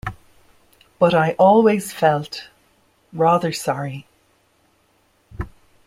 But I always felt — rather sorry.